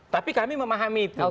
tapi kami memahami itu